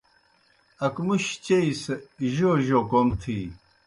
اکمُشیْ چیئی سہ جوْ جوْ کوْم تِھی۔